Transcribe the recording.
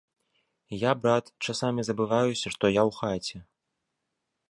Я, брат, часамі забываюся, што я ў хаце.